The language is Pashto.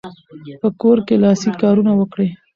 په کور کې لاسي کارونه وکړئ.